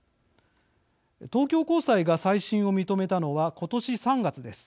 東京高裁が再審を認めたのは今年３月です。